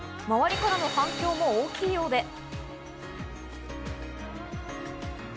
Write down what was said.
周りからの反響も大きいようで。